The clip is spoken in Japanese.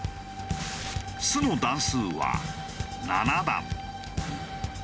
巣の段数は７段。